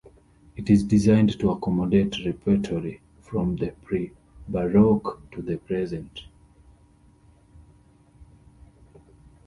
It is designed to accommodate repertory from the pre-baroque to the present.